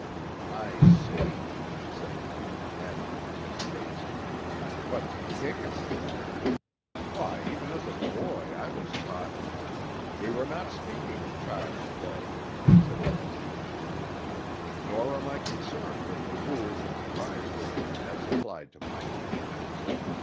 "I see," said the other, adding with distaste, "but to kick an opponent! Why, even as a boy I was taught—" "We were not speaking of child's play," said the visitor coolly; "nor am I concerned with the rules of the prize ring, as applied to my theory.